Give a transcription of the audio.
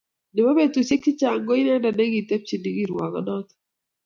Nebo betusiek chechang ko inendet nekitebchini kirwokonoto